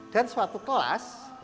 dan suatu kelas